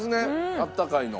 あったかいの。